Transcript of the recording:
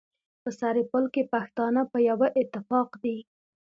په سرپل کي پښتانه په يوه اتفاق دي.